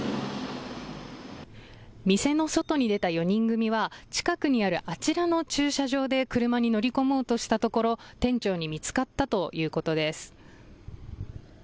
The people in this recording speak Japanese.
店の外に出た４人組は近くにあるあちらの駐車場で車に乗り込もうとしたところ、店長に見つかったということです。